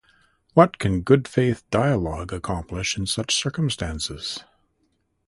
What can good-faith dialogue accomplish in such circumstances?